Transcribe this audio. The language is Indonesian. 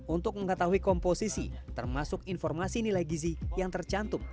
untuk mengetahui komposisi termasuk informasi nilai gizi yang tercantum